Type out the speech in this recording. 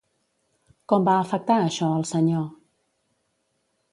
Com va afectar això al senyor?